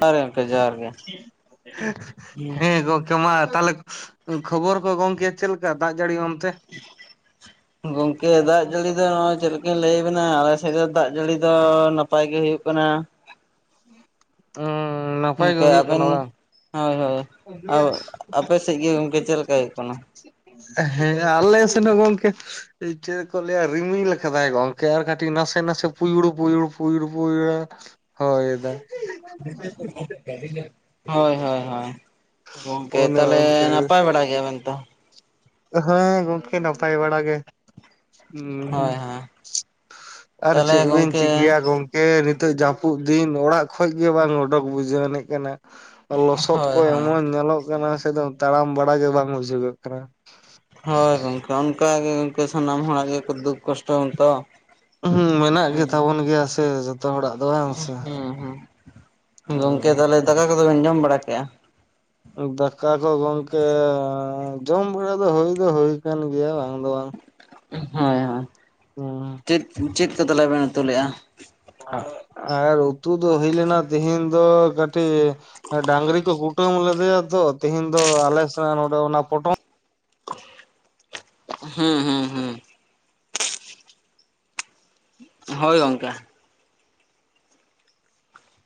ᱡᱚᱦᱟᱨ ᱜᱮ ᱦᱮᱸ ᱜᱚᱝ ᱠᱮᱢᱟ ᱛᱟᱦᱚᱸᱞᱮ ᱠᱷᱚᱵᱚᱨ ᱠᱚ ᱜᱚᱝᱠᱮ ᱪᱮᱫ ᱞᱮᱠᱟ ᱫᱟᱜ ᱡᱟᱹᱲᱤ ᱚᱱᱛᱮ᱾ ᱜᱚᱝᱠᱮ ᱫᱟᱜ ᱡᱟᱹᱲᱤ ᱫᱚ ᱱᱚᱜ-ᱚᱭ ᱪᱮᱫ ᱞᱮᱠ [unintelligible] ᱞᱮᱭ ᱟᱹᱵᱤ ᱱᱟ ᱟᱞᱮ ᱥᱮᱫ ᱫᱚ ᱫᱟᱜ ᱡᱟᱹᱲᱤ ᱫᱚ ᱱᱟᱯᱟᱭ ᱜᱮ ᱦᱩᱭᱩᱜ ᱠᱟᱱᱟ᱾ ᱚᱸᱻ ᱱᱟᱯᱟᱭ ᱜᱚᱝᱠᱮ ᱜᱮ ᱦᱩᱭᱩᱜ ᱠᱟᱱᱟ ᱟᱵᱮᱱ ᱵᱟᱝ? ᱦᱳᱭ ᱦᱳᱭ, ᱟᱳ ᱟᱯᱮ ᱥᱮᱫ ᱜᱮ ᱜᱚᱝᱠᱮ ᱪᱮᱫ ᱞᱮᱠᱟ ᱦᱩᱭᱩᱜ ᱠᱟᱱᱟ? ᱦᱮᱸ ᱟᱞᱮ ᱥᱮᱱ ᱦᱚᱸ ᱜᱚᱝᱠᱮ ᱮ ᱪᱮᱫ ᱠᱚ ᱞᱮᱭᱟ, ᱨᱤᱢᱤᱞ ᱟᱠᱟᱫᱟᱭ ᱜᱚᱝᱠᱮ ᱟᱨ ᱠᱟᱹᱴᱤᱡ ᱱᱟᱥᱮ ᱱᱟᱥᱮ ᱯᱩᱭᱩᱲ ᱯᱩᱭᱩᱲ ᱯᱩᱭᱩᱲ ᱯᱩᱭᱩᱲᱮ ᱦᱚᱭ ᱫᱟ᱾ [inaudible] ᱦᱳᱭ ᱦᱳᱭ ᱦᱳᱭ᱾ ᱜᱚᱝᱠᱮ ᱚᱱᱮ ᱛᱟᱦᱞᱮ ᱚᱱᱠᱟ ᱱᱟᱯᱟᱭ ᱵᱟᱲᱟ ᱜᱮᱭᱟ ᱵᱮᱱ ᱛᱚ? ᱦᱮᱸ ᱜᱚᱝᱠᱮ ᱱᱟᱯᱟᱭ ᱵᱟᱲᱟ ᱜᱮ᱾ ᱩᱸ ᱦᱳᱭ ᱦᱩᱸ ᱦᱳᱭ ᱟᱨ ᱛᱟᱦᱚᱞᱮ ᱪᱮᱜ ᱵᱤᱱ ᱜᱚᱝᱠᱮ ᱪᱤᱠᱟᱹᱭᱟ ᱜᱚᱝ ᱮ ᱱᱤᱛᱚᱜ ᱡᱟᱯᱩᱜ ᱫᱤᱱ ᱚᱲᱟᱜ ᱠᱷᱚᱡ ᱜᱮ ᱵᱟᱝ ᱚᱰᱚᱠ ᱵᱩᱡᱷᱟᱹᱣ ᱟᱹᱲᱤᱡ ᱠᱟᱱᱟ᱾ ᱞᱚᱥᱚᱫ ᱠᱚ ᱦᱳᱭ ᱦᱳᱭ ᱮᱢᱚᱱ ᱧᱮᱞᱚᱜ ᱠᱟᱱᱟ ᱥᱮᱫᱚᱢ ᱛᱟᱲᱟᱢ ᱵᱟᱲᱟ ᱜᱮ ᱵᱟᱝ ᱵᱩᱡᱷᱩᱜᱚᱜ ᱠᱟᱱᱟ᱾ ᱦᱳᱭ ᱜᱚᱝᱠᱮ ᱚᱝᱠᱟ ᱜᱮ ᱜᱚᱝᱠᱮ ᱥᱟᱱᱟᱢ ᱦᱚᱲᱟᱜ ᱜᱮᱠᱚ ᱫᱩᱠᱷ ᱠᱚᱥᱴᱚ ᱚᱸᱛᱚ ᱦᱮᱸ ᱢᱮᱱᱟᱜ ᱜᱮᱛᱟᱵᱚᱱ ᱜᱮᱭᱟ ᱥᱮ ᱡᱚᱛᱚ ᱦᱚᱲᱟᱜ ᱫᱚ ᱵᱟᱝ ᱥᱮ ᱦᱩᱸ ᱜᱚᱝᱠᱮ ᱦᱩᱸ ᱛᱟᱦᱞᱮ ᱫᱟᱠᱟ ᱠᱚᱫᱚᱵᱮᱱ ᱡᱚᱢ ᱵᱟᱲᱟ ᱠᱮᱜᱼᱟ? ᱫᱟᱠᱟ ᱠᱚ ᱜᱚᱝᱠᱮ ᱡᱚᱢ ᱵᱟᱲᱟ ᱫᱚ ᱦᱩᱭ ᱫᱚ ᱦᱩᱭ ᱠᱟᱱ ᱜᱮᱭᱟ ᱵᱟᱝ ᱫᱚ ᱵᱟᱝ᱾ ᱦᱳᱭ ᱦᱳᱭ ᱦᱩᱸ ᱪᱮᱫ ᱪᱮᱫ ᱠᱚ ᱛᱟᱦᱞᱮ ᱵᱮᱱ ᱩᱛᱩ ᱞᱮᱜᱼᱟ? ᱟᱫᱚ ᱟᱨ ᱩᱛᱩ ᱫᱚ ᱦᱩᱭ ᱞᱮᱱᱟ ᱛᱤᱦᱤᱱ ᱫᱚ ᱠᱟᱹᱴᱤ ᱟᱹ ᱰᱟᱝᱨᱤ ᱠᱚ ᱠᱩᱴᱟᱹᱢ ᱞᱮᱫᱮᱭᱟ ᱛᱚ ᱛᱤᱦᱤᱱ ᱫᱚ ᱟᱞᱮ ᱥᱮᱱᱟ ᱱᱚᱸᱰᱮ ᱚᱱᱟ ᱯᱚᱴᱚᱢ ᱦᱩᱸ ᱦᱩᱸ ᱦᱩᱸ᱾ ᱦᱳᱭ ᱜᱚᱝᱠᱮ᱾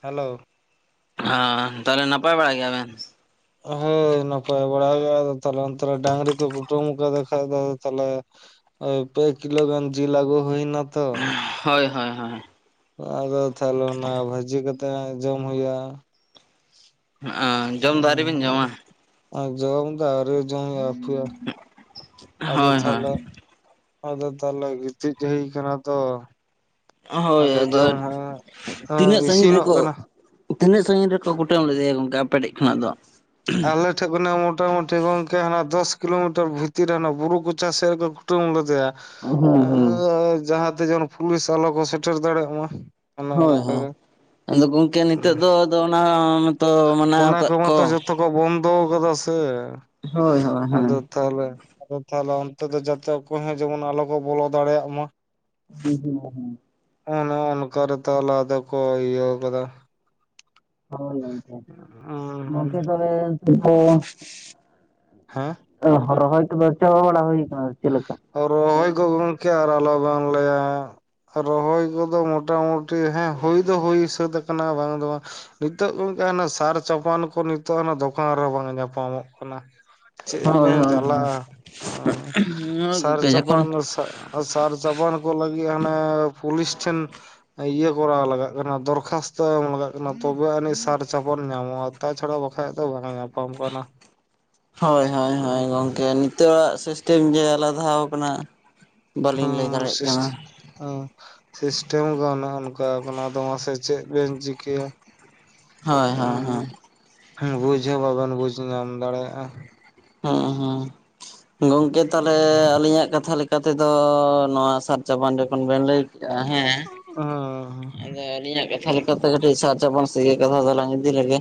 ᱦᱮᱞᱳ ᱦᱟᱸ ᱛᱟᱦᱞᱮ ᱱᱟᱯᱟᱭ ᱵᱟᱲᱟ ᱜᱮᱭᱟ ᱵᱮᱱ? ᱚᱦᱟᱹᱭ ᱱᱟᱯᱟᱭ ᱵᱟᱲᱟ ᱜᱮ ᱟᱫᱚ ᱛᱟᱦᱞᱮ ᱚᱱᱛᱮ ᱨᱮ ᱰᱟᱝᱨᱤ ᱠᱚ ᱠᱩᱴᱟᱹᱢ ᱠᱟᱫᱮ ᱠᱷᱟᱱᱡ ᱫᱚ ᱟᱫᱚ ᱛᱟᱦᱞᱮ ᱳᱭ ᱯᱮ ᱠᱤᱞᱳ ᱜᱟᱱ ᱡᱤᱞ ᱟᱹᱜᱩ ᱦᱩᱭᱱᱟ ᱛᱚ᱾ ᱦᱳᱭ ᱦᱳᱭ ᱦᱳᱭ ᱟᱫᱚ ᱛᱷᱟᱦᱞᱮ ᱚᱱᱟ ᱵᱷᱟᱹᱡᱤ ᱠᱟᱛᱮᱸ ᱡᱚᱢ ᱦᱩᱭᱩᱜᱼᱟ ᱚ ᱡᱚᱢ ᱫᱚ ᱟᱹᱣᱨᱤ ᱵᱤᱱ ᱡᱚᱢᱟ ᱟᱸ ᱡᱚᱢ ᱫᱚ ᱟᱹᱣᱨᱤ ᱡᱚᱢ ᱟᱯᱷᱮ ᱟᱫᱚ ᱦᱳᱭ ᱦᱳᱭ ᱛᱷᱟᱦᱞᱮ ᱟᱫᱚ ᱛᱟᱦᱞᱮ ᱜᱤᱛᱤᱡ ᱪᱮᱭ ᱠᱟᱱᱟ ᱛᱚ ᱚᱦᱳᱭ ᱟᱫᱚ ᱡᱚᱢ ᱦᱚᱸ ᱛᱤᱱᱟᱹᱜ ᱥᱟᱺᱜᱤᱧ ᱤᱥᱤᱱᱚᱜ ᱨᱤᱠᱚ ᱠᱟᱱᱟ ᱛᱤᱱᱟᱹᱜ ᱥᱟᱺᱜᱤᱧ ᱨᱮᱠᱚ ᱠᱩᱴᱟᱹᱢ ᱞᱮᱫᱮᱭᱟ ᱜᱚᱝᱠᱮ ᱟᱯᱮᱴᱷᱮᱡ ᱠᱷᱚᱱᱟᱜ ᱫᱚ? ᱟᱞᱮᱴ ᱴᱷᱮᱜ ᱜᱷᱚᱱᱟᱜ ᱢᱚᱴᱟ-ᱢᱩᱴᱤ ᱜᱚᱝᱠᱮ ᱦᱟᱱᱟ ᱫᱚᱥ ᱠᱤᱞᱳᱢᱤᱴᱟᱨ ᱵᱷᱤᱛᱤᱨ ᱨᱮ ᱚᱱᱟ ᱵᱩᱨᱩ ᱠᱚᱪᱟ ᱥᱮᱜ ᱨᱮᱠᱚ ᱠᱩᱴᱟᱹᱢ ᱞᱮᱫᱮᱭᱟ ᱦᱩᱸ ᱟᱹ ᱦᱩᱸ ᱡᱟᱦᱟᱸ ᱛᱮ ᱡᱮᱢᱚᱱ ᱯᱷᱩᱞᱤᱥ ᱟᱞᱚ ᱠᱚ ᱥᱮᱴᱮᱨ ᱫᱟᱲᱮᱭᱟᱜ ᱢᱟ ᱚᱱᱮ ᱦᱳᱭ ᱚᱱᱠᱟ ᱦᱳᱭ ᱨᱮ ᱟᱫᱚ ᱜᱚᱝᱠᱮ ᱱᱤᱛᱟᱹᱜ ᱫᱚ ᱟᱫᱚ ᱚᱱᱟ ᱢᱚᱸᱛ ᱛᱚ ᱢᱟᱱᱟᱣ ᱣᱚᱠᱚᱫ ᱠᱚ ᱫᱚ ᱠᱟᱫᱟ ᱥᱮ ᱦᱳᱭ ᱦᱳᱭ ᱦᱮᱸ ᱟᱫᱚ ᱛᱷᱟᱦᱞᱮ ᱟᱫᱚ ᱛᱟᱦᱞᱮ ᱚᱱᱛᱮ ᱫᱚ ᱡᱟᱛᱮ ᱚᱠᱚᱭ ᱦᱚᱸ ᱡᱮᱢᱚᱱ ᱟᱞᱚ ᱠᱚ ᱵᱚᱞᱚ ᱫᱟᱲᱮᱭᱟᱜ ᱢᱟ᱾ ᱦᱩᱸ ᱦᱩᱸ [unintelligible] ᱚᱱᱚ ᱚᱱᱠᱟ ᱨᱮ ᱛᱟᱦᱞᱟ ᱟᱫᱮ ᱠᱚ ᱤᱭᱟᱹᱣ ᱠᱟᱫᱟ ᱦᱳᱭ ᱜᱚᱝᱠᱮ ᱵᱚᱝᱠᱮ ᱚᱸᱻ ᱛᱟᱦᱞᱮ [inaudible] ᱦᱮᱸ ᱚᱦ ᱨᱚᱦᱚᱭ ᱠᱚᱫᱚ ᱪᱟᱵᱟ ᱵᱟᱲᱟ ᱦᱩᱭ ᱠᱟᱱᱟ ᱪᱮ ᱞᱮᱠᱟ? ᱦᱚ ᱨᱚᱦᱚᱭ ᱠᱚ ᱜᱚᱝᱠᱮ ᱟᱨ ᱟᱞᱚ ᱵᱚᱝ ᱞᱟᱹᱭᱟ ᱨᱚᱦᱚᱭ ᱠᱚᱫᱚ ᱢᱚᱴᱟ-ᱢᱩᱴᱤ ᱦᱮᱸ ᱦᱩᱭ ᱫᱚ ᱦᱩᱭ ᱥᱟᱹᱫ ᱟᱠᱟᱱᱟ ᱵᱟᱝ ᱫᱚ ᱵᱟᱝ ᱱᱤᱛᱚᱜ ᱜᱚᱝᱠᱮ ᱦᱟᱱᱮ ᱥᱟᱨ ᱪᱟᱯᱟᱱ ᱠᱚ ᱱᱤᱛᱚᱜ ᱦᱟᱱᱮ ᱫᱚᱠᱟᱱ ᱨᱮᱦᱚᱸ ᱵᱟᱝ ᱧᱟᱯᱟᱢᱚᱜ ᱠᱟᱱᱟ ᱪᱮᱜ ᱦᱳᱭ ᱵᱮᱱ ᱦᱳᱭ ᱦᱳᱭ ᱡᱟᱞᱟ ᱚ ᱦᱳᱭ ᱜᱚᱝᱠᱮ ᱡᱚᱠᱷᱚᱱ ᱥᱟ ᱥᱟᱨ ᱪᱟᱵᱟᱱ ᱠᱚ ᱞᱟᱹᱜᱤᱜ ᱦᱟᱱᱮ ᱯᱩᱞᱤᱥ ᱴᱷᱮᱱ ᱤᱭᱟᱹ ᱠᱚᱨᱟᱣ ᱞᱟᱜᱟᱜ ᱠᱟᱱᱟ ᱫᱚᱨᱠᱷᱟᱥᱛᱚ ᱮᱢ ᱞᱟᱜᱟᱜ ᱠᱟᱱᱟ ᱛᱚᱵᱮ ᱟᱹᱱᱤᱡ ᱥᱟᱨ ᱪᱟᱯᱟᱱ ᱧᱟᱢᱚᱜᱼᱟ ᱛᱟ ᱪᱷᱟᱲᱟᱣ ᱵᱟᱠᱷᱟᱡ ᱫᱚ ᱵᱟᱝ ᱧᱟᱯᱟᱢ ᱠᱟᱱᱟ [inaudible] ᱦᱳᱭ ᱦᱳᱭ ᱜᱚᱢᱠᱮ ᱱᱤᱛᱚᱜ-ᱟ ᱥᱤᱥᱴᱮᱢ ᱜᱮ ᱟᱞᱟᱫᱟ ᱠᱟᱱᱟ᱾ ᱵᱟᱹᱞᱤᱧ ᱞᱟᱹᱭ ᱫᱟᱲᱮᱭᱟᱜ ᱠᱟᱱᱟ᱾ ᱦᱮ ᱥᱤᱥᱴᱮᱢ ᱜᱮ ᱚᱱᱠᱟ ᱠᱟᱱᱟ ᱟᱫᱚ ᱢᱟᱥᱮ ᱪᱮᱫ ᱵᱮᱱ ᱪᱤᱠᱟᱹᱭᱟ? ᱦᱳᱭ ᱦᱳᱭ ᱦᱳᱭ ᱵᱩᱡ ᱦᱚᱸ ᱵᱟᱵᱮᱱ ᱵᱩᱡ ᱧᱟᱢ ᱫᱟᱲᱮᱭᱟᱜᱼᱟ᱾ ᱦᱮᱸ ᱦᱮᱸ ᱜᱚᱝᱠᱮ ᱛᱟᱦᱚᱞᱮ ᱟᱹᱞᱤᱧᱟᱜ ᱠᱟᱛᱷᱟ ᱞᱮᱠᱟᱼᱼ ᱠᱟᱛᱷᱟ ᱛᱮᱫᱚ ᱱᱚᱣᱟ ᱥᱟᱨ ᱪᱟᱵᱟᱱ ᱡᱚᱠᱷᱚᱱ ᱵᱮᱱ ᱞᱟᱹᱭ ᱠᱮᱜᱼᱟ ᱦᱮᱸ ᱦᱮᱸ ᱟᱫᱚ ᱟᱹᱞᱤᱧᱟᱜ ᱠᱟᱛᱷᱟ ᱞᱮᱠᱟᱛᱮ ᱠᱟᱹᱴᱤᱡ ᱥᱟᱨᱤ ᱪᱟᱯᱟᱱ ᱥᱮᱜ ᱜᱮ ᱠᱟᱛᱷᱟ ᱫᱚᱞᱟᱝ ᱤᱫᱤ ᱞᱮᱜᱮ᱾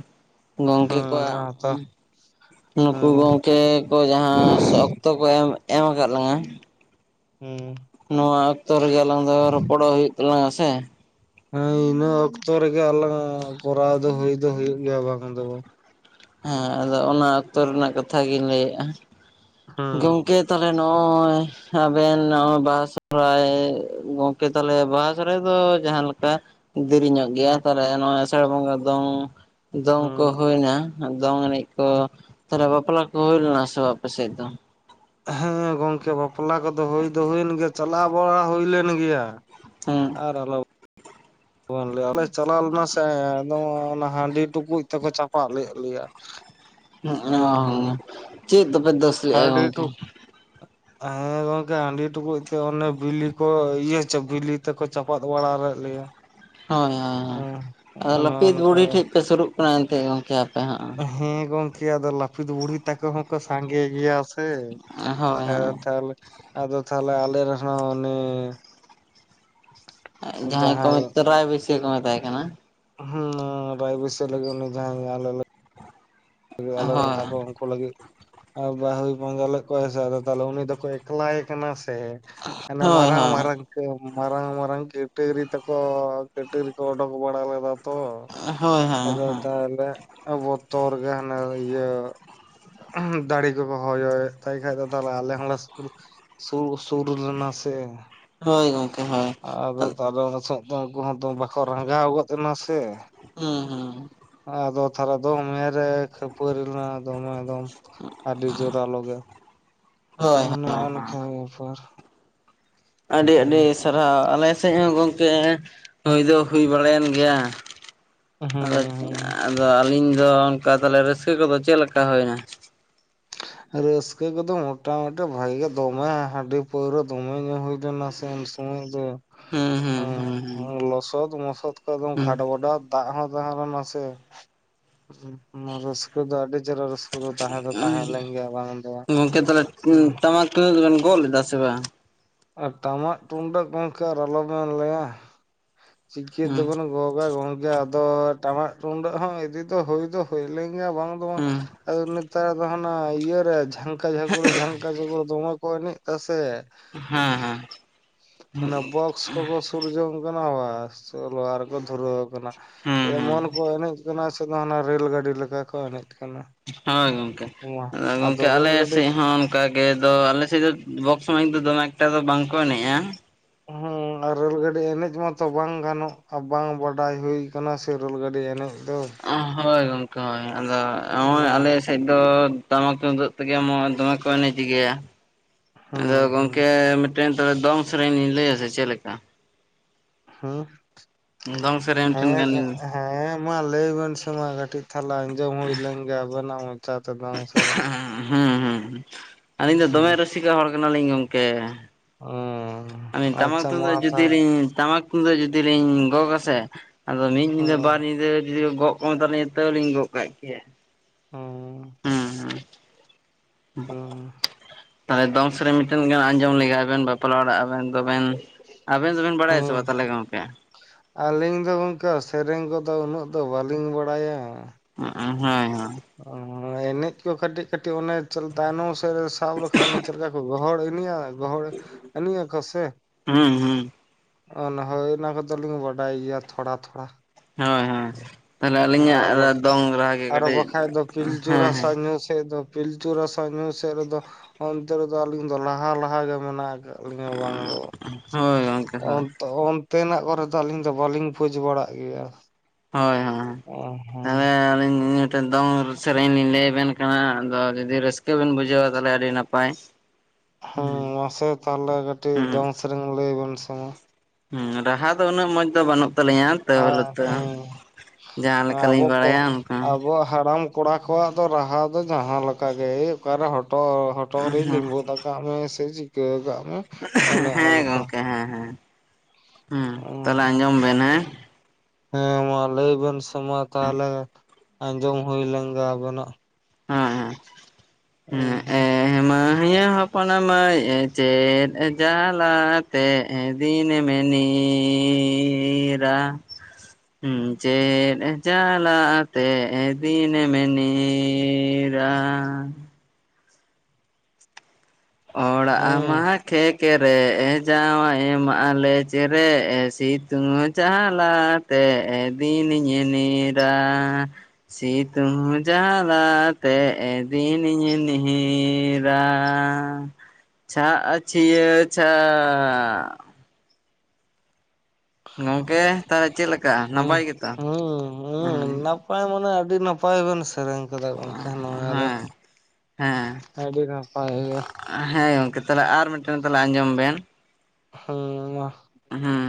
ᱜᱚᱝᱠᱮ ᱦᱩᱸ ᱠᱚᱣᱟᱜ ᱦᱟᱛᱟ ᱱᱩᱠᱩ ᱦᱩᱸ ᱜᱚᱢᱠᱮ ᱠᱚ ᱡᱟᱦᱟᱸ ᱚᱠᱛᱚ ᱠᱚ ᱮᱢ ᱮᱢ ᱟᱠᱟᱫ ᱞᱟᱝᱟ ᱦᱩᱸ᱾ ᱱᱚᱣᱟ ᱚᱠᱛᱚ ᱨᱮᱜᱮ ᱟᱞᱟᱝ ᱫᱚ ᱨᱚᱯᱚᱲᱚᱜ ᱦᱩᱭᱩᱜ ᱛᱟᱞᱟᱝᱟ ᱥᱮ ᱦᱮᱸ ᱤᱱᱟᱹ ᱚᱠᱛᱚ ᱨᱮᱜᱮ ᱟᱞᱟᱝ ᱠᱚᱨᱟᱣ ᱫᱚ ᱦᱩᱭ ᱫᱚ ᱦᱩᱭᱩᱜ ᱜᱮᱭᱟ ᱵᱟᱝ ᱫᱚ ᱵᱟᱝ? ᱦᱮᱸ ᱟᱫᱚ ᱚᱱᱟ ᱚᱠᱛᱚ ᱨᱮᱱᱟᱜ ᱠᱟᱛᱷᱟ ᱜᱤᱧ ᱞᱟᱹᱭᱮᱫᱼᱟ ᱦᱩᱸ ᱜᱚᱢᱠᱮ ᱛᱚᱞᱮ ᱱᱚᱜᱼᱚᱭ ᱟᱵᱮᱱ ᱱᱚᱜᱼ ᱵᱟᱦᱟ ᱥᱚᱦᱚᱨᱟᱭ ᱜᱚᱝᱠᱮ ᱛᱟᱞᱦᱮ ᱵᱟᱦᱟ ᱥᱚᱦᱚᱨᱟᱭ ᱫᱚ ᱡᱟᱦᱟᱸ ᱞᱮᱠᱟ ᱫᱮᱨᱤᱧᱚᱜ ᱜᱮᱭᱟ ᱦᱩᱸ ᱛᱟᱦᱚᱞᱮ ᱱᱚᱜᱚᱭ ᱟᱥᱟᱲ ᱵᱚᱸᱜᱟ ᱫᱚᱝ ᱫᱚᱝ ᱠᱚ ᱦᱩᱸ ᱦᱩᱭᱱᱟ ᱫᱚᱝ ᱮᱱᱮᱡ ᱛᱚ ᱛᱟᱦᱚᱞᱮ ᱵᱟᱯᱞᱟ ᱠᱚ ᱦᱩᱭᱞᱱᱟ ᱥᱮ ᱵᱟᱝ ᱟᱯᱮ ᱥᱮᱫ ᱫᱚ? ᱦᱮᱸ ᱜᱚᱝᱠᱮ ᱵᱟᱯᱞᱟ ᱠᱚᱫᱚ ᱦᱩᱭ ᱫᱚ ᱦᱩᱭᱮᱱ ᱜᱮᱭᱟ ᱪᱟᱞᱟᱣ ᱵᱟᱲᱟ ᱦᱩᱭ ᱞᱮᱱ ᱜᱮᱭᱟ᱾ ᱦᱮᱸ᱾ ᱟᱨ ᱟᱞᱚᱢ ᱚ ᱟᱞᱮ ᱪᱟᱞᱟᱣ ᱞᱮᱱᱟ ᱥᱮ ᱮᱫᱚᱢ ᱚᱱᱟ ᱦᱟᱺᱰᱤ ᱴᱩᱠᱩᱡ ᱛᱮᱠᱚ ᱪᱟᱯᱟᱫ ᱞᱮᱫ ᱞᱮᱭᱟ᱾ ᱚ ᱦᱩᱸ ᱦᱚᱸ ᱦᱩᱸ ᱪᱮᱫ ᱫᱚᱯᱮ ᱫᱳᱥ ᱞᱮᱜᱼᱟ ᱦᱟᱺᱰᱤ ᱜᱚᱝᱠᱮ? ᱴᱩᱠ [inaudible] ᱦᱮᱸ ᱜᱚᱝᱠᱮ ᱦᱟᱺᱰᱤ ᱴᱩᱠᱩᱡ ᱛᱮ ᱚᱱᱮ ᱵᱤᱞᱤ ᱠᱚ ᱤᱭᱟᱹ ᱵᱤᱞᱤ ᱛᱮᱠᱚ ᱪᱟᱯᱟᱫ ᱵᱟᱲᱟ ᱞᱮᱫ ᱞᱮᱭᱟ᱾ ᱦᱳᱭ ᱦᱳᱭ ᱦᱳᱭ ᱟᱫᱚ ᱱᱚᱜᱼᱚ ᱞᱟᱹᱯᱤᱛ ᱱᱚᱝᱠᱟ ᱵᱩᱲᱦᱤ ᱴᱷᱮᱡ ᱯᱮ ᱥᱩᱨᱩᱜ ᱠᱟᱱᱟ ᱮᱱᱛᱮᱫ ᱜᱚᱢᱠᱮ ᱦᱮᱸ ᱜᱚᱝᱠᱮ ᱟᱫᱚ ᱞᱟᱯᱤᱛ ᱵᱩᱲᱦᱤ ᱛᱟᱠᱚ ᱦᱚᱸᱠᱚ ᱥᱟᱸᱜᱮ ᱜᱮᱭᱟ ᱥᱮ᱾ ᱦᱳᱭ ᱦᱳᱭ ᱮᱸ ᱛᱟᱦᱚᱞᱮ ᱟᱫᱚ ᱛᱟᱦᱚᱞᱮ ᱟᱞᱮ ᱨᱮᱱ ᱦᱚ ᱩᱱᱤ ᱡᱟᱦᱟᱸᱭ ᱠᱚ ᱨᱟᱭ ᱵᱟᱹᱭᱥᱭᱟᱹ ᱠᱚ ᱢᱮᱛᱟᱭ ᱠᱟᱱᱟ ᱦᱩᱸ ᱨᱟᱭ ᱵᱟᱸᱥᱤᱹᱭᱟᱹ ᱞᱮᱠᱟ ᱩᱱᱤ ᱡᱟᱦᱟᱸ ᱟᱞᱮ ᱞᱮ ᱟᱞᱮ ᱨᱮᱱ ᱛᱟᱠᱚ ᱦᱳᱭ ᱠᱚ ᱞᱟᱹᱜᱤᱫ ᱮ ᱵᱟᱦᱩᱭ ᱯᱟᱸᱡᱟ ᱞᱮᱜ ᱠᱚᱭᱟ ᱥᱮ ᱟᱫᱚ ᱛᱟᱦᱚᱞᱮ ᱩᱱᱤ ᱫᱚᱠᱚ ᱮᱠᱞᱟᱭᱮ ᱠᱟᱱᱟ ᱥᱮ᱾ ᱟᱱᱮᱮ ᱦᱳᱭ ᱢᱟᱨᱟᱝ ᱦᱳᱭ ᱢᱟᱨᱟᱝ ᱢᱟᱨᱟᱝ ᱢᱟᱨᱟᱝ ᱠᱟᱹᱴᱟᱹᱨᱤ ᱛᱮᱠᱚ ᱠᱟᱹᱴᱟᱹᱨᱤ ᱠᱚ ᱚᱰᱩᱚᱠ ᱵᱟᱲᱟ ᱞᱮᱫᱟ ᱛᱚ ᱦᱳᱭ ᱦᱳᱭ ᱟᱫᱚ ᱦᱳᱭ ᱛᱟᱦᱚᱞᱮ ᱵᱚᱛᱚᱨᱜᱮ ᱦᱟᱱᱮ ᱤᱭᱟᱹ ᱫᱟᱲᱤ ᱠᱚᱠᱚ ᱦᱚᱭᱚᱭᱮᱜ ᱛᱟᱭ ᱠᱷᱟᱡ ᱟᱫᱚ ᱛᱟᱦᱚᱞᱮ ᱟᱞᱮ ᱦᱚᱸ ᱞᱮ ᱥᱩᱨᱩ ᱥᱩᱨ ᱥᱩᱨ ᱞᱮᱱᱟ ᱥᱮ᱾ ᱦᱳᱭ ᱜᱚᱝᱠᱮ ᱦᱳᱭ᱾ ᱟᱫᱚ ᱵᱟᱥᱟᱡ ᱫᱚ ᱩᱱᱠᱩ ᱦᱚᱸ ᱫᱚ ᱵᱟᱠᱚ ᱨᱟᱸᱜᱟᱣ ᱜᱚᱫ ᱮᱱᱟ ᱥᱮ ᱦᱩᱸ ᱦᱩᱸ ᱦᱩᱸ᱾ ᱟᱫᱚ ᱛᱟᱦᱚᱞᱮ ᱫᱚᱢᱮ ᱨᱮ ᱠᱷᱟᱹᱯᱟᱹᱨᱤ ᱞᱮᱱᱟ ᱫᱚᱢᱮ ᱮᱠᱫᱚᱢ ᱟᱹᱰᱤ ᱡᱳᱨᱟᱞᱳ ᱜᱮ᱾ ᱦᱳᱭ ᱱᱟᱜ-ᱚ ᱦᱳᱭ ᱱᱟᱝᱠᱟ ᱵᱮᱯᱟᱨ᱾ ᱟᱹᱰᱤ ᱦᱩᱸ ᱟᱹᱰᱤ ᱥᱟᱨᱦᱟᱹᱣ ᱟᱞᱮ ᱥᱮᱜ ᱦᱚᱸ ᱜᱚᱝᱠᱮ ᱦᱩᱭ ᱫᱚ ᱦᱩᱭ ᱵᱟᱲᱟᱭᱮᱱ ᱜᱮᱭᱟ ᱟᱫᱚ ᱦᱩᱸ ᱟᱫᱚ ᱟᱹᱞᱤᱧ ᱫᱚ ᱚᱱᱠᱟ ᱛᱟᱦᱚᱞᱮ ᱨᱟᱹᱥᱠᱟᱹ ᱠᱚᱫᱚ ᱪᱮᱫ ᱞᱮᱠᱟ ᱦᱩᱭᱱᱟ? ᱨᱟᱹᱥᱠᱟᱹ ᱠᱚᱫᱚ ᱢᱚᱴᱟᱢᱩᱴᱤ ᱵᱷᱟᱜᱮ ᱜᱮ ᱫᱚᱢᱮ ᱦᱟᱺᱰᱤ ᱯᱟᱹᱣᱨᱟᱹ ᱫᱚᱢᱮ ᱧᱩ ᱦᱩᱭ ᱞᱮᱱᱟ ᱥᱮ ᱩᱱᱟᱹᱜ ᱫᱚ᱾ ᱦᱩᱸ ᱦᱩᱸ᱾ ᱦᱩᱸ ᱦᱩᱸ ᱞᱚᱥᱚᱫ ᱢᱚᱥᱚᱫ ᱠᱚᱫᱚ ᱠᱷᱟᱴ ᱵᱟᱫᱟᱣ ᱫᱟᱜ ᱦᱚᱸ ᱛᱟᱦᱮᱸ ᱞᱮᱱᱟ ᱥᱮ ᱦᱩᱸ ᱨᱟᱹᱥᱠᱟᱹ ᱫᱚ ᱟᱹᱰᱤ ᱪᱮᱦᱨᱟ ᱨᱟᱹᱥᱠᱟᱹ ᱫᱚ ᱛᱟᱦᱮᱸ ᱫᱚ ᱛᱟᱦᱮᱸ ᱞᱮᱱ ᱜᱮᱭᱟ ᱵᱟᱝ ᱫᱚ ᱜᱚᱝᱠᱮ ᱛᱟᱦᱚᱸᱞᱮ ᱵᱟᱝ ᱴᱟᱢᱟᱠ ᱛᱩᱢᱫᱟᱜ ᱫᱚ ᱵᱮᱱ ᱜᱚᱜ ᱞᱮᱫᱟ ᱥᱮ ᱵᱟᱝ? ᱟᱨ ᱴᱟᱢᱟᱜ ᱛᱩᱢᱫᱟᱜ ᱜᱚᱝᱠᱮ ᱟᱨ ᱟᱞᱚᱵᱮᱱ ᱞᱮᱭᱟ ᱪᱤᱠᱟᱹ ᱦᱩᱸ ᱛᱮᱵᱚᱱ ᱜᱚᱜᱟ ᱜᱚᱝᱠᱮ ᱟᱫᱚ ᱴᱟᱢᱟᱠ ᱛᱩᱢᱫᱟᱜ ᱦᱚᱸ ᱤᱫᱤ ᱫᱚ ᱦᱩᱭ ᱫᱚ ᱦᱩᱭ ᱞᱮᱱ ᱜᱮᱭᱟ ᱵᱟᱝ ᱫᱚ ᱵᱟᱝ, ᱦᱩᱸ ᱟᱫᱚ ᱱᱮᱛᱟᱨ ᱫᱚ ᱦᱟᱱᱟ ᱤᱭᱟᱹᱨᱮ ᱡᱷᱟᱝᱠᱟ ᱡᱷᱟᱠᱩᱲ ᱡᱷᱟᱝᱠᱟ ᱡᱷᱟᱠᱩᱲ ᱫᱚᱢᱮ ᱠᱚ ᱮᱱᱮᱡ ᱫᱟᱥᱮ᱾ ᱦᱮᱸ ᱦᱮᱸ᱾ ᱚᱱᱟ ᱵᱚᱠᱥ ᱠᱚᱠᱚ ᱥᱩᱨᱡᱚᱝ ᱠᱟᱱᱟ ᱵᱟᱥ ᱪᱚᱞᱚ ᱟᱨᱠᱚ ᱫᱷᱩᱨᱟᱹᱣ ᱠᱟᱱᱟ᱾ ᱦᱩᱸ ᱦᱩᱸ ᱮᱢᱚᱱ ᱠᱚ ᱮᱱᱮᱡ ᱠᱟᱱᱟ ᱥᱮ ᱦᱟᱱᱟ ᱨᱮᱹᱞ ᱜᱟᱹᱰᱤ ᱞᱮᱠᱟ ᱠᱚ ᱮᱱᱮᱡ ᱠᱟᱱᱟ᱾ ᱦᱳᱭ ᱜᱚᱝᱠᱮ, ᱢᱟ ᱟᱫᱚ ᱜᱚᱝᱠᱮ ᱨᱮᱹᱞ ᱟᱞᱮ ᱜᱟᱹᱰᱤ ᱥᱮᱜ ᱦᱚᱸ ᱚᱱᱠᱟᱜᱮ ᱫᱚ ᱟᱞᱮ ᱥᱮᱜ ᱫᱚ ᱵᱚᱠᱥ ᱢᱟᱤᱭᱤᱠ ᱫᱚ ᱫᱚᱢᱮ ᱮᱠᱴᱟ ᱫᱚ ᱵᱟᱝ [inaudible] [inaudible] ᱟᱨ ᱨᱮᱞ ᱜᱟᱹᱰᱤ ᱮᱱᱮᱡ ᱢᱟᱛᱚ ᱵᱟᱝ ᱜᱟᱱᱚᱜ-ᱟ ᱵᱟᱝ ᱵᱟᱰᱟᱭ ᱦᱩᱭ ᱠᱟᱱᱟ ᱥᱮ ᱨᱮᱞ ᱜᱟᱹᱰᱤ ᱮᱱᱮᱡ ᱫᱚ᱾ ᱦᱳᱭ ᱜᱚᱝᱠᱮ ᱦᱳᱭ ᱟᱫᱚ ᱱᱚᱜ-ᱚᱭ ᱚᱱᱟ ᱟᱞᱮᱥᱮᱜ ᱫᱚ ᱴᱟᱢᱟᱠ ᱛᱩᱢᱫᱟᱜ ᱛᱮᱜᱮ ᱢᱚᱡᱽ ᱫᱚᱢᱮ ᱯᱟᱱ ᱤᱫᱤ ᱜᱮᱭᱟ, ᱦᱩᱸ ᱟᱫᱚ ᱦᱩᱸ ᱜᱚᱝᱠᱮ ᱢᱤᱫᱴᱮᱱ ᱛᱚᱵᱮ ᱫᱚᱝ ᱥᱮᱨᱮᱸᱧ ᱞᱤᱧ ᱞᱟᱹᱭᱟ ᱥᱮ ᱪᱮᱫ ᱞᱮᱠᱟ᱾ ᱦᱩᱸ᱾ ᱫᱚᱝ ᱥᱮᱨᱮᱸᱧ ᱢᱤᱫᱴᱟᱝ ᱦᱮᱸ ᱜᱟᱱᱞᱤᱧ ᱦᱮᱸ ᱢᱟ ᱞᱟᱹᱭ ᱵᱮᱱ ᱥᱮᱢᱟ ᱠᱟᱹᱴᱤᱡ ᱛᱟᱦᱚᱸᱞᱮ ᱟᱸᱡᱚᱢ ᱦᱩᱭ ᱞᱮᱱ ᱜᱮ ᱟᱵᱮᱱᱟᱜ ᱢᱚᱪᱟ ᱛᱮ‌ ᱫᱚᱝ ᱥᱮᱨᱮᱸᱧ᱾ ᱦᱩᱸ ᱦᱩᱸ ᱦᱩᱸ, ᱟᱹᱞᱤᱧ ᱫᱚ ᱦᱩᱸ ᱫᱚᱢᱮ ᱨᱩᱥᱤᱠᱟ ᱦᱚᱲ ᱠᱟᱱᱟᱞᱤᱧ ᱜᱚᱝᱠᱮ᱾ ᱚ ᱟᱹᱞᱤᱧ ᱴᱟᱢᱟᱠ ᱟᱪᱪᱷᱟ ᱢᱟ ᱛᱩᱢᱫᱟᱜ ᱛᱟᱦᱚᱞᱮ ᱡᱩᱫᱤᱞᱤᱧ ᱴᱟᱢᱟᱠ ᱩᱱ ᱫᱚ ᱡᱩᱫᱤ ᱞᱤᱧ ᱜᱚᱜ ᱟᱥᱮ, ᱟᱫᱚ ᱢᱤᱫ ᱧᱤᱫᱟᱹ, ᱵᱟᱨ ᱦᱩᱸ ᱧᱤᱫᱟᱹ, ᱡᱩᱫᱤ ᱜᱚᱜ ᱠᱚ ᱢᱮᱛᱟᱞᱤᱧᱟ ᱛᱟᱣᱳᱞᱤᱧ ᱜᱚᱜ ᱠᱟᱜ ᱠᱮᱭᱟ᱾ ᱦᱚᱸ᱾ ᱦᱩᱸ [inaudible] ᱛᱟᱦᱚᱸᱞᱮ ᱫᱚᱝ ᱥᱮᱨᱮᱧ ᱢᱤᱫᱴᱮᱱ ᱜᱟᱱ ᱟᱸᱡᱚᱢ ᱞᱮᱜᱟᱣ ᱵᱮᱱ ᱵᱟᱯᱞᱟ ᱚᱲᱟᱜ ᱟᱵᱮᱱ ᱫᱚᱵᱮᱱ ᱟᱵᱤᱱ ᱫᱚᱵᱤᱱ ᱵᱟᱲᱟᱭᱟ ᱥᱮ ᱵᱟ ᱦᱮᱸ ᱛᱟᱦᱚᱸᱞᱮ ᱜᱚᱢᱠᱮ? ᱟᱹᱞᱤᱧ ᱫᱚ ᱜᱚᱝᱠᱮ ᱥᱮᱨᱮᱸᱧ ᱠᱚᱫᱚ ᱩᱱᱟᱹᱜ ᱫᱚ ᱵᱟᱹᱞᱤᱧ ᱵᱟᱲᱟᱭᱟ᱾ [unintelligible] ᱦᱳᱭ ᱦᱳᱭ᱾ ᱚ ᱮᱱᱮᱡ ᱠᱚ ᱠᱟᱹᱴᱤᱡ ᱠᱟᱹᱴᱤᱡ ᱚᱱᱮ ᱪᱚᱞ ᱛᱟᱭᱚᱢ ᱥᱮᱫ ᱨᱮ ᱥᱟᱵ ᱞᱮᱠᱷᱟᱱᱮ ᱪᱮᱫ ᱞᱮᱠᱟ ᱠᱚ ᱜᱚᱦᱚᱲ ᱮᱱᱮᱡᱟ ᱜᱚᱦᱚᱲ ᱮᱱᱮᱡ ᱟᱠᱚ ᱥᱮ? ᱦᱩᱸ ᱦᱩᱸ ᱦᱳᱭ ᱚᱱᱟ ᱠᱚᱫᱚᱞᱤᱧ ᱵᱟᱰᱟᱭ ᱜᱮᱭᱟ, ᱛᱷᱚᱲᱟ ᱛᱷᱚᱲᱟ ᱦᱳᱭ ᱦᱳᱭ᱾ ᱛᱟᱦᱚᱞᱮ ᱟᱨ ᱵᱟ ᱟᱹᱞᱤᱧᱟᱜ ᱫᱚᱝ ᱨᱟᱦᱟ ᱜᱮ ᱟᱨ ᱠᱟᱹᱴᱤᱡ ᱵᱟᱠᱟᱱᱡ ᱫᱚ ᱦᱮᱸ ᱯᱤᱞᱪᱩ ᱨᱟᱹᱥᱟ ᱦᱮᱸ ᱧᱩ ᱥᱮᱫ ᱫᱚ ᱯᱤᱞᱪᱩ ᱨᱟᱥᱟ ᱧᱩ ᱥᱮᱫ ᱨᱮᱫᱚ, ᱚᱱᱛᱮ ᱨᱮᱫᱚ ᱟᱹᱞᱤᱧ ᱫᱚ ᱞᱟᱦᱟ ᱞᱟᱦᱟ ᱜᱮ ᱢᱮᱱᱟᱜ ᱟᱠᱟ ᱞᱤᱧᱟ ᱵᱟᱝ ᱫᱚ ᱵᱟᱝ᱾ ᱦᱳᱭ ᱜᱚᱝᱠᱮ ᱦᱳᱭ [unintelligible] ᱛᱚ ᱚᱱᱛᱮ ᱱᱟᱜ ᱠᱚᱨᱮ ᱫᱚ ᱟᱹᱞᱤᱧ ᱫᱚ ᱵᱟᱹᱞᱤᱧ ᱯᱩᱡᱽ ᱵᱟᱲᱟᱜ ᱜᱮᱭᱟ᱾ ᱦᱳᱭ ᱦᱳᱭ, ᱚ ᱦᱚᱸ ᱚᱭ ᱟᱹᱞᱤᱧ ᱴᱮᱱ ᱫᱚᱝ ᱥᱮᱨᱮᱸᱧ ᱞᱤᱧ ᱞᱟᱹᱭ ᱟᱵᱮᱱ ᱠᱟᱱᱟ ᱾ ᱟᱫᱚ ᱡᱩᱫᱤ ᱨᱟᱹᱥᱠᱟᱹ ᱵᱮᱱ ᱵᱩᱡᱷᱟᱹᱣᱟ ᱛᱟᱦᱚᱸᱞᱮ ᱟᱹᱰᱤ ᱱᱟᱯᱟᱭ᱾ [unintelligible] ᱦᱮᱸ ᱢᱟᱥᱮ ᱛᱟᱦᱚᱞᱮ ᱠᱟᱹᱴᱤᱡ ᱦᱩᱸ ᱫᱚᱝ ᱥᱮᱨᱮᱧ ᱞᱟᱹᱭ ᱵᱮᱱ ᱥᱮ ᱦᱮᱸ ᱨᱟᱦᱟ ᱫᱚ ᱩᱱᱟᱹᱜ ᱢᱚᱸᱡᱽ ᱫᱚ ᱵᱟᱹᱱᱩᱜ ᱛᱟᱞᱤᱧᱭᱟ ᱛᱟᱹ ᱦᱚᱞᱩ ᱟᱨ ᱛᱚ, ᱦᱮᱸ ᱡᱟᱦᱟᱸ ᱟᱵᱚ ᱞᱮᱠᱟᱞᱤᱧ ᱠᱚ ᱵᱟᱲᱟᱭᱟ ᱚᱱᱠᱟ ᱟᱵᱚᱣᱟᱜ ᱦᱟᱲᱟᱢ ᱠᱚᱲᱟ ᱠᱚᱣᱟᱜ ᱫᱚ ᱨᱟᱦᱟ ᱫᱚ ᱡᱟᱦᱟᱸ ᱞᱮᱠᱟ ᱜᱮ᱾ ᱚᱠᱟᱨᱮ ᱦᱚᱴᱚᱜ ᱦᱚᱴᱚᱜ ᱨᱮᱭ ᱦᱩᱸ ᱞᱤᱸᱵᱩᱫ ᱟᱠᱚ ᱜᱟᱜ ᱢᱮ ᱥᱮ ᱪᱤᱠᱟᱹ ᱟᱜ ᱢᱮ ᱚᱱᱮ ᱚᱱᱠᱟ᱾ ᱜᱚᱝᱠᱮ ᱦᱮᱸ ᱦᱮᱸ ᱦᱮᱸ, ᱛᱟᱦᱚᱞᱮ ᱟᱸᱡᱚᱢ ᱵᱮᱱ ᱦᱮᱸ ᱦᱮᱸ ᱢᱟ ᱞᱟᱹᱭ ᱵᱮᱱ ᱥᱮ ᱢᱟ ᱛᱟᱦᱚᱞᱮ ᱟᱸᱡᱚᱢ ᱦᱩᱭ ᱞᱮᱱ ᱜᱮ ᱟᱵᱮᱱᱟᱜ ᱦᱮᱸ ᱮ ᱦᱮᱸ ᱮᱻ ᱢᱟᱹᱭ ᱦᱚᱯᱚᱱ ᱢᱟᱹᱭ ᱪᱮᱫ ᱡᱟᱞᱟᱛᱮᱻ ᱮᱻ ᱫᱤᱱᱮᱢᱻ ᱱᱤᱻᱨᱟ ᱩᱸᱢ ᱪᱮᱫ ᱪᱟᱞᱟᱻ ᱟᱛᱮ ᱫᱤᱱᱮᱢ ᱱᱤᱻᱨ, ᱱᱤᱻᱨᱟᱻ ᱚᱲᱟᱜ ᱢᱟᱻ ᱦᱩᱸ ᱠᱷᱮᱠᱻ ᱠᱮᱨᱮᱻ ᱮ ᱡᱟᱶᱟᱭᱻ ᱮᱢᱟᱻ ᱞᱮᱡᱻ ᱨᱮᱻ ᱥᱤᱛᱩᱝᱻ ᱡᱟᱞᱟᱸᱻ ᱛᱮᱻ ᱫᱤᱱᱤᱧᱻ ᱱᱤᱻᱨᱟᱻ, ᱥᱤᱛᱩᱝᱻ ᱡᱟᱞᱟᱻ ᱛᱮᱻ ᱫᱤᱱᱤᱧᱻ ᱱᱤᱻᱨᱟᱻ᱾ ᱪᱷᱟᱜᱻ ᱪᱷᱟᱤᱭᱟᱹᱻ ᱪᱷᱟᱻᱟᱜ᱾ ᱜᱚᱝᱠᱮ ᱛᱟᱦᱚᱞᱮ ᱪᱮᱫ ᱞᱮᱠᱟ ᱦᱩᱸ ᱱᱟᱯᱟᱭ ᱜᱮ ᱛᱚ? ᱦᱩᱸ ᱦᱩᱸ, ᱱᱟᱯᱟᱭ ᱢᱟᱱᱮ ᱟᱹᱰᱤ ᱱᱟᱯᱟᱭ ᱵᱮᱱ ᱥᱮᱨᱮᱧ ᱟᱫᱚ ᱜᱚᱝᱠᱮ, ᱦᱮᱸ ᱱᱚᱣᱟ ᱫᱚ ᱟᱹᱰᱤ ᱱᱟᱯᱟᱭ ᱜᱮᱭᱟ ᱦᱮᱸ ᱜᱚᱝᱠᱮ ᱛᱟᱦᱚᱞᱮ ᱟᱨ ᱢᱤᱫᱴᱮᱱ ᱛᱟᱦᱚᱞᱮ ᱟᱸᱡᱚᱢ ᱵᱮᱱ ᱦᱩᱸ ᱢᱟ᱾ ᱦᱩᱸ,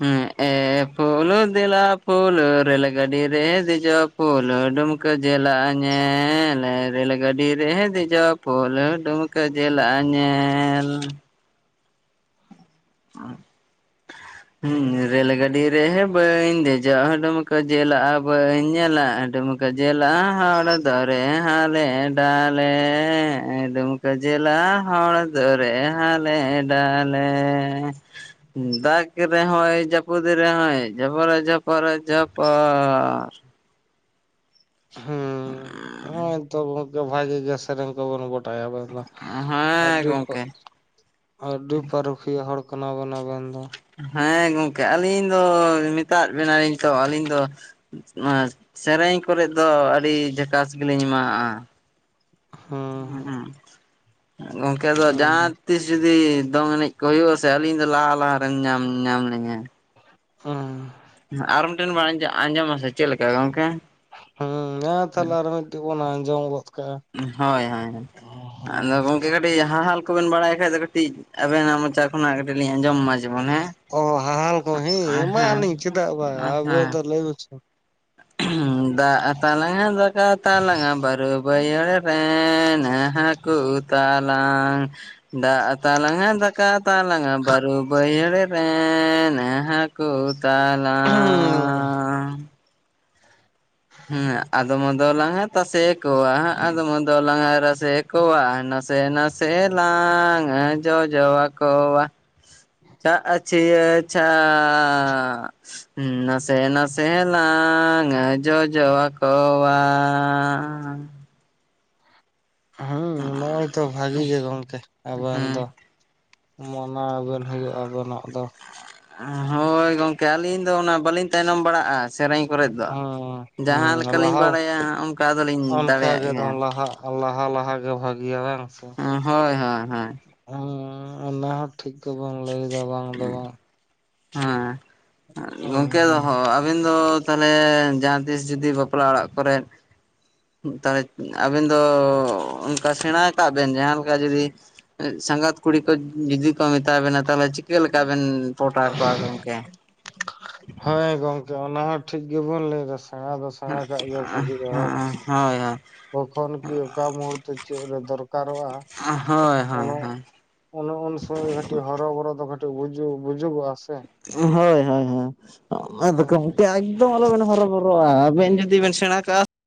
ᱦᱮᱸ ᱮᱻ ᱯᱷᱚᱨᱻ ᱯᱷᱩᱞᱳᱻ ᱫᱮᱞᱟᱻ ᱯᱷᱩᱞ, ᱨᱮᱞᱻ ᱜᱟᱹᱰᱤ ᱨᱮᱻ ᱫᱮᱡᱚᱜᱻ ᱯᱷᱩᱞᱻ, ᱰᱩᱢᱠᱟᱹ ᱪᱮᱞᱟ ᱧᱮᱞᱻ, ᱨᱮᱹᱞ ᱜᱟᱹᱰᱤ ᱨᱮᱻ ᱫᱮᱡᱚᱜᱻ ᱯᱷᱩᱞᱻ ᱰᱩᱢ ᱠᱟᱹ ᱡᱮᱞᱟᱻ ᱧᱮᱞᱻ ᱦᱩᱸ ᱨᱮᱞ ᱜᱟᱰᱤ ᱨᱮᱻ ᱵᱟᱹᱧᱻ ᱫᱮᱡᱚᱜ ᱰᱩᱢᱠᱟᱹ ᱡᱮᱞᱟᱻ ᱵᱟᱹᱧᱻ ᱧᱮᱞᱟ ᱫᱩᱢᱠᱟᱹ ᱡᱮᱞᱟᱻ ᱦᱚᱲ ᱫᱚᱨᱮᱻ ᱦᱟᱞᱮ ᱰᱟᱞᱮᱻ ᱰᱩᱢᱠᱟᱹ ᱡᱮᱞᱟᱻ ᱦᱚᱲ ᱫᱚᱨᱮᱻ ᱦᱟᱞᱮ ᱰᱟᱞᱮᱻ ᱫᱟᱜ ᱨᱮᱦᱚᱸᱭ ᱡᱟᱹᱯᱩᱫ ᱨᱮᱦᱚᱸᱭ ᱡᱷᱚᱯᱚᱨ ᱡᱷᱚᱯᱚᱨ ᱡᱷᱚᱯᱚᱨᱻ ᱦᱩᱸ ᱦᱳᱭ ᱛᱚ ᱜᱚᱝᱠᱮ ᱵᱷᱟᱜᱤ ᱜᱮ ᱥᱮᱨᱮᱧ ᱠᱚ ᱵᱤᱱ ᱵᱟᱰ ᱵᱟᱲᱟᱭᱟ ᱟᱵᱚ ᱫᱚ ᱦᱮᱸ ᱟᱹᱛᱩ ᱯᱚ ᱜᱚᱝᱠᱮ ᱟᱹᱛᱩ ᱯᱚᱨᱚᱵᱽ ᱠᱩᱴᱷᱤᱭᱟᱹ ᱦᱚᱲ ᱠᱟᱱᱟ ᱵᱤᱱ ᱟᱵᱮᱱ ᱫᱚ ᱦᱮᱸ ᱜᱚᱢᱠᱮ ᱟᱹᱞᱤᱧ ᱫᱚ ᱢᱮᱛᱟᱫ ᱵᱮᱱᱟᱞᱤᱧ ᱛᱚ ᱟᱹᱞᱤᱧ ᱫᱚ ᱱᱚᱣᱟ ᱥᱮᱨᱮᱧ ᱠᱚᱨᱮᱫ ᱫᱚ ᱟᱹᱰᱤ ᱡᱟᱠᱟᱥ ᱜᱮᱞᱤᱧ ᱮᱢᱟᱣᱟᱜᱼᱟ᱾ ᱦᱩᱸ ᱦᱩᱸᱦᱩᱸ ᱜᱚᱢᱠᱮ ᱟᱫᱚ ᱦᱩᱸ ᱡᱟᱦᱟᱸ ᱛᱤᱥ ᱡᱩᱫᱤ ᱫᱚᱝ ᱮᱱᱮᱡ ᱠᱚ ᱦᱩᱭᱩᱜᱼᱟᱥᱮ ᱟᱹᱞᱤᱧ ᱫᱚ ᱞᱟᱦᱟ ᱞᱟᱦᱟ ᱨᱮᱢ ᱧᱟᱢ ᱧᱟᱢ ᱞᱤᱧᱟ᱾ ᱦᱩᱸ ᱟᱨ ᱢᱤᱫᱴᱮᱱ ᱵᱮᱱ ᱟᱸᱡᱚᱢ ᱟᱸᱡᱚᱢ ᱟᱥᱮ ᱪᱮᱫ ᱞᱮᱠᱟ ᱜᱚᱝᱠᱮ? ᱦᱮᱸ ᱢᱟ ᱛᱟᱦᱚᱞᱮ ᱟᱨ ᱢᱤᱫᱴᱤᱡ ᱵᱚᱱ ᱟᱸᱡᱚᱢ ᱜᱚᱫ ᱠᱟᱜ-ᱟ᱾ ᱦᱳᱭ ᱦᱳᱭ᱾ ᱟᱫᱚ ᱜᱚᱝᱠᱮ ᱠᱟᱹᱴᱤᱡ ᱦᱟᱦᱟᱞ ᱠᱚᱵᱮᱱ ᱵᱟᱲᱟᱭ ᱠᱷᱟᱡ ᱫᱚ ᱠᱟᱹᱴᱤᱡ ᱟᱵᱮᱱᱟᱜ ᱢᱚᱪᱟ ᱠᱷᱚᱱᱟᱜ ᱠᱟᱹᱴᱤᱡ ᱞᱤᱧ ᱟᱸᱡᱚᱢ ᱢᱟ᱾ ᱚ ᱦᱟᱦᱟᱞ ᱠᱩᱦᱤ ᱮᱢᱟᱜᱼᱟᱞᱤᱧ ᱪᱮᱫᱟᱜ ᱵᱟᱝ ᱟᱵᱮᱱ ᱫᱚ [inaudible] ᱞᱟᱹᱭ [unintelligible] ᱫᱟᱜ ᱛᱟᱞᱟᱝ ᱫᱟᱠᱟ ᱛᱟᱞᱟᱝ ᱵᱟᱨᱩ ᱵᱟᱹᱭᱦᱟᱹᱲ ᱨᱮᱱ ᱦᱟᱹᱠᱳ ᱛᱟᱞᱟᱝ ᱫᱟᱜ ᱛᱟᱞᱟᱝ ᱫᱟᱠᱟ ᱛᱟᱞᱟᱝ ᱵᱟᱨᱩ ᱵᱟᱹᱭᱦᱟᱹᱲ ᱨᱮᱱ ᱦᱟᱹᱠᱳ ᱦᱟᱠᱳ ᱛᱟᱞᱟᱝ᱾ ᱦᱮᱸ ᱟᱫᱚᱢ ᱫᱚᱞᱟᱝ ᱛᱟᱥᱮ ᱠᱚᱣᱟ ᱟᱫᱚᱢ ᱫᱚᱞᱟᱝ ᱨᱟᱥᱮ ᱠᱚᱣᱟ ᱱᱟᱥᱮ ᱱᱟᱥᱮ ᱞᱟᱝ ᱡᱚᱡᱚ ᱟᱠᱚᱣᱟ ᱪᱷᱟᱜ ᱪᱷᱤᱭᱟᱹ ᱪᱷᱟᱜ ᱱᱟᱥᱮ ᱱᱟᱥᱮ ᱱᱟᱥᱮ ᱱᱟᱥᱮ ᱞᱟᱝ ᱡᱚᱡᱚ ᱟᱠᱚᱣᱟ ᱦᱮᱸ ᱱᱚᱜᱼᱚᱭ ᱛᱚ ᱵᱷᱟᱹᱜᱤ ᱜᱮ ᱜᱚᱢᱠᱮ ᱟᱵᱮᱱ ᱫᱚ᱾ ᱦᱩᱸ ᱢᱟᱱᱟᱣ ᱵᱮᱱ ᱦᱩᱭᱩᱜ ᱟᱵᱮᱱᱟᱜ ᱫᱚ᱾ ᱦᱳᱭ ᱜᱚᱢᱠᱮ ᱟᱹᱞᱤᱧ ᱫᱚ ᱚᱱᱟ ᱵᱟᱹᱞᱤᱧ ᱛᱟᱭᱱᱚᱢ ᱵᱟᱲᱟᱜᱼᱟ᱾ ᱥᱮᱨᱮᱧ ᱠᱚᱨᱮᱫ ᱫᱚ ᱦᱩᱸ ᱦᱩᱸ ᱡᱟᱦᱟᱸ ᱞᱮᱠᱟᱞᱤᱧ ᱞᱟᱦᱟ ᱵᱟᱲᱟᱭᱟ ᱚᱱᱠᱟ ᱫᱚᱞᱤᱧ ᱚᱱᱠᱟ ᱫᱟᱲᱮᱭᱟᱜ ᱜᱮ ᱜᱮᱭᱟ᱾ ᱞᱟᱦᱟᱜ ᱞᱟᱦᱟ ᱞᱟᱦᱟ ᱜᱮ ᱵᱷᱟᱹᱜᱤᱭᱟ ᱵᱟᱝ ᱥᱮ ᱦᱳᱭ ᱦᱳᱭ ᱦᱳᱭ ᱚᱱᱟᱦᱚᱸ ᱴᱷᱤᱠ ᱜᱮᱵᱚᱱ ᱞᱟᱹᱭ ᱮᱫᱟ ᱵᱟᱝ ᱫᱚ ᱵᱟᱝ? ᱦᱮᱸ ᱦᱮᱸ ᱜᱚᱝᱠᱮ ᱦᱮᱸ ᱟᱵᱤᱱ ᱫᱚ ᱛᱟᱦᱚᱞᱮ ᱡᱟᱦᱟᱸ ᱛᱤᱥ ᱡᱩᱫᱤ ᱵᱟᱯᱞᱟ ᱚᱲᱟᱜ ᱠᱚᱨᱮᱫ ᱛᱟᱦᱚᱞᱮ ᱟᱵᱮᱱ ᱫᱚ ᱚᱱᱠᱟ ᱥᱮᱬᱟ ᱠᱟᱜ ᱵᱮᱱ ᱡᱟᱦᱟᱸ ᱞᱮᱠᱟ ᱡᱩᱫᱤ ᱥᱟᱸᱜᱟᱛ ᱠᱩᱲᱤ ᱠᱚ ᱡᱩᱫᱤ ᱠᱚ ᱢᱮᱛᱟ ᱵᱮᱱᱟ ᱛᱟᱦᱚᱞᱮ ᱪᱤᱠᱟᱹ ᱞᱮᱠᱟᱵᱮᱱ ᱯᱚᱴᱟᱣ ᱠᱚᱣᱟ ᱜᱚᱢᱠᱮ ᱦᱮᱸ ᱜᱚᱝᱠᱮ ᱚᱱᱟ ᱦᱚᱸ ᱴᱷᱤᱠ ᱜᱮᱵᱚᱱ ᱞᱟᱹᱭᱫᱟ ᱥᱮᱬᱟ ᱫᱚ ᱥᱮᱬᱟ ᱠᱟᱜ ᱜᱮ ᱵᱷᱟᱜᱤᱼᱟ ᱵᱟᱝ ᱥᱮ᱾ ᱦᱳᱭ ᱦᱳᱭ᱾ ᱛᱚᱠᱷᱚᱱ ᱠᱤ ᱚᱠᱟ ᱢᱚᱦᱩᱨᱛᱚ ᱪᱮᱫ ᱨᱮ ᱫᱚᱨᱠᱟᱨᱚᱜᱼᱟ ᱦᱳᱭ ᱩᱱᱟᱹᱜ ᱦᱳᱭ ᱩᱱᱚ ᱩᱱ ᱥᱚᱢᱚᱭ ᱠᱟᱹᱴᱤᱡ ᱦᱚᱨᱚᱵᱚᱨᱚ ᱫᱚ ᱠᱟᱹᱴᱤᱡ ᱵᱩᱡᱚᱜ ᱵᱩᱡᱚᱜᱚᱜ- ᱟ ᱥᱮ᱾ ᱦᱮ ᱦᱳᱭ ᱦᱳᱭ ᱦᱳᱭ ᱚᱱᱟ ᱫᱚ ᱦᱮᱸ ᱠᱚ [unintelligible] ᱮᱠᱫᱚᱢ ᱟᱞᱚᱵᱮᱱ ᱦᱚᱨᱚᱵᱚᱨᱚᱜᱼᱟ ᱟᱵᱮᱱ ᱡᱩᱫᱤ ᱵᱮᱱ ᱥᱮᱬᱟ ᱠᱟᱜᱼᱟ